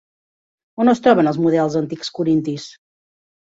On es troben els models antics corintis?